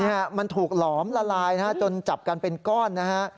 ฮะมันถูกหลอมละลายนะฮะจนจับกันเป็นก้อนนะฮะ